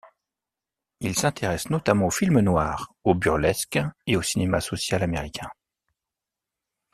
Il s’intéresse notamment au film noir, au burlesque et au cinéma social américains.